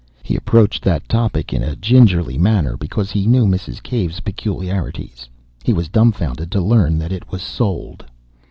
He approached that topic in a gingerly manner, because he knew Mrs. Cave's peculiarities. He was dumbfounded to learn that it was sold.